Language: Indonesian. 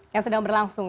yang sedang berlangsung ya